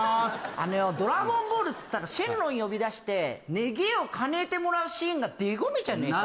あの「ドラゴンボール」っつったら神龍呼び出して願えを叶えてもらうシーンが醍醐味じゃねえか